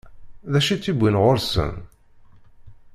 D acu i tt-iwwin ɣur-sen?